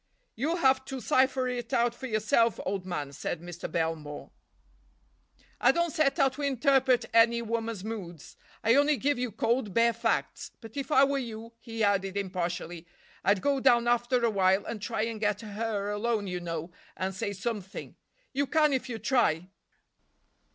"You'll have to cipher it out for yourself, old man," said Mr. Belmore. "I don't set out to interpret any woman's moods. I only give you cold, bare facts. But if I were you," he added impartially, "I'd go down after a while and try and get her alone, you know, and say something. You can, if you try."